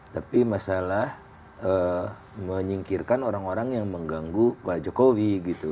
tapi masalah menyingkirkan orang orang yang mengganggu pak jokowi gitu